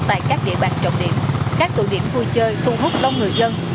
tại các địa bàn trọng điểm các tự điểm vui chơi thu hút lông người dân